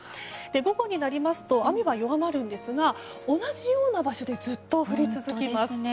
午後になりますと雨は弱まるんですが同じような場所でずっと降り続きます。